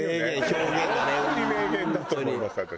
本当に名言だと思います私。